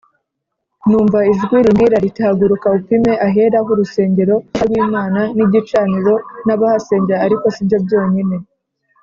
numva ijwi rimbwira riti haguruka upime ahera h urusengero k rw Imana n igicaniro n abahasengera Ariko sibyo byonyine